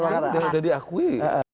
bang arah ini udah diakui